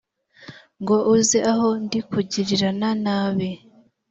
ngo uze aho ndi kugirirana nabi